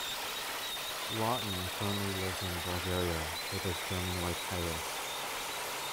Lawton currently lives in Bulgaria with his German wife Iris.